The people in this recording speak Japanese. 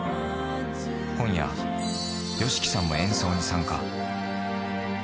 今夜、ＹＯＳＨＩＫＩさんも演奏に参加。